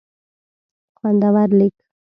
خوندور لیک